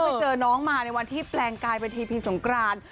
ไปเจอน้องมาในวันที่แปลงกายเป็นทีพีสงกราน